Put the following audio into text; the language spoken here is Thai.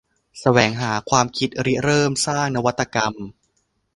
แสวงหาความคิดริเริ่ม สร้างนวัตกรรม